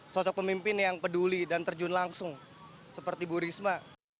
sosok pemimpin yang peduli dan terjun langsung seperti bu risma